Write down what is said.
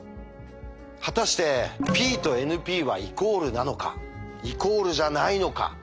果たしてＰとＮＰはイコールなのかイコールじゃないのか。